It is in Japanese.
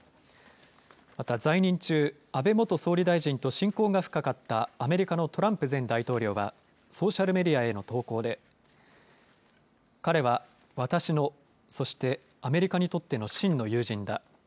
また在任中、安倍元総理大臣と親交が深かったアメリカのトランプ前大統領は、ソーシャルメディアへの投稿で、彼は私の、そしてアメリカにとっての真の友人だ。